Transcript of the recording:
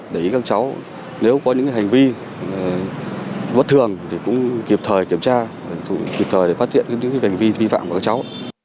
đấy các cháu nếu có những hành vi bất thường thì cũng kịp thời kiểm tra kịp thời phát hiện những hành vi vi phạm của các cháu